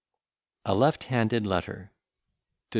A LEFT HANDED LETTER TO DR.